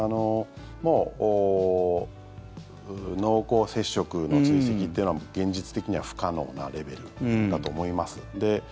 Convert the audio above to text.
もう、濃厚接触の追跡は現実的には不可能なレベルだと思います。